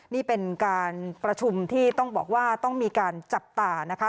นี่เป็นการประชุมที่ต้องบอกว่าต้องมีการจับตานะคะ